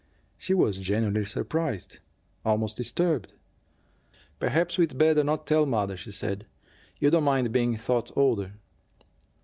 She was genuinely surprised, almost disturbed. "Perhaps we'd better not tell mother," she said. "You don't mind being thought older?"